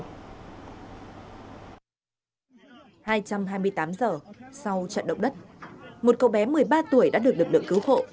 hai trăm hai mươi tám giờ sau trận động đất một cậu bé một mươi ba tuổi đã được lực lượng cứu hộ